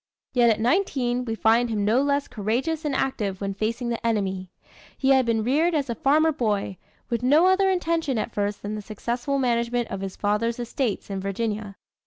Yet at nineteen we find him no less courageous and active when facing the enemy. He had been reared as a farmer boy, with no other intention at first than the successful management of his father's estates in Virginia.